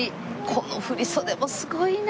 この振袖もすごいなあ。